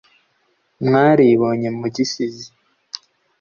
mwaribonye mu gisizi,